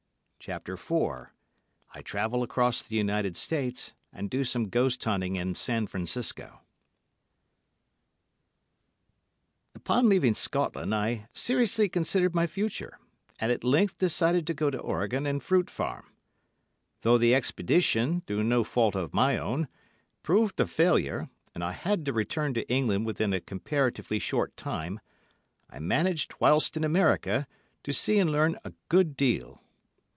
CHAPTER IV I TRAVEL ACROSS THE UNITED STATES, AND DO SOME GHOST HUNTING IN SAN FRANCISCO Upon leaving Scotland I seriously considered my future, and at length decided to go to Oregon and fruit farm. Though the expedition, through no fault of my own, proved a failure, and I had to return to England within a comparatively short time, I managed, whilst in America, to see and learn a good deal.